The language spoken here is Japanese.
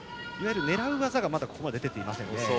狙う技がここまで出ていませんね。